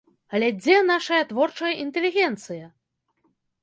Але дзе нашая творчая інтэлігенцыя?